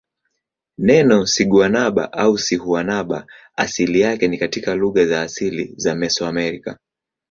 Neno siguanaba au sihuanaba asili yake ni katika lugha za asili za Mesoamerica.